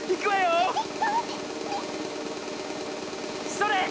それ！